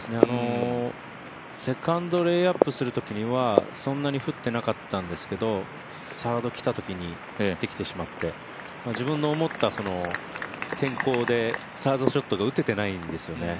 セカンドレイアップするときにはそんなに降ってなかったんですけどサード来たときに降ってきてしまって自分の思った天候でサードショットが打てていないんですよね。